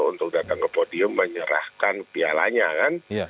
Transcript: untuk datang ke podium menyerahkan pialanya kan